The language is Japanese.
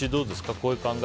こういう考え。